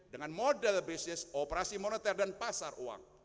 dengan model bisnis operasi moneter dan pasar uang